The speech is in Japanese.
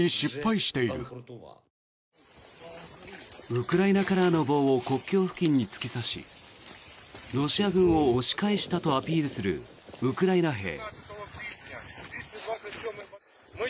ウクライナカラーの棒を国境に突き刺しロシア軍を押し返したとアピールするウクライナ兵。